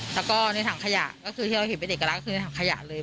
แล้วก็ในทางขยะที่เราเขียนไปเด็กกำลังในทางขยะเลย